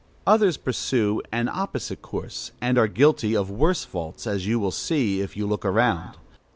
Others pursue an opposite course, and are guilty of worse faults, as you will see if you look around.